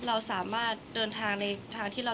คนเราถ้าใช้ชีวิตมาจนถึงอายุขนาดนี้แล้วค่ะ